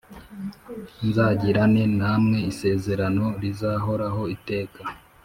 nzagirane namwe isezerano rizahoraho iteka.